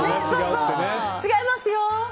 違いますよ